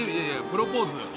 プロポーズ。